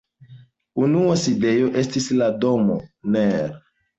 Unua sidejo estis la domo nr.